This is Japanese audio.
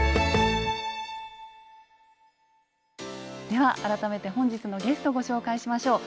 では改めて本日のゲストご紹介しましょう。